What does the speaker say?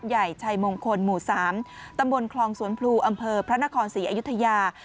ใหญ่ชัยมงคลหมู่๓ตำบลคลองสวนพลูอำเภอพระนครศรีอยุธยา